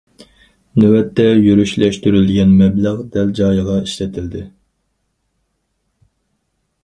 نۆۋەتتە يۈرۈشلەشتۈرۈلگەن مەبلەغ دەل جايىغا ئىشلىتىلدى.